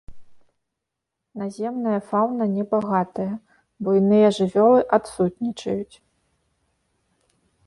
Наземная фаўна не багатая, буйныя жывёлы адсутнічаюць.